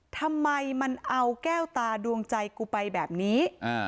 ทำไมมันเอาแก้วตาดวงใจกูไปแบบนี้